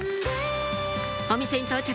お店に到着